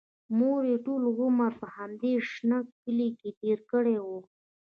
مور یې ټول عمر په همدې شنه کلي کې تېر کړی و